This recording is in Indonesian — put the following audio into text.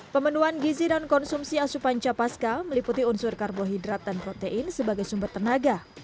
pemenuhan gizi dan konsumsi asupan capaska meliputi unsur karbohidrat dan protein sebagai sumber tenaga